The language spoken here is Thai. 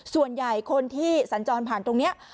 ส่วนใหญ่คนที่สัญจรผ่านตรงนี้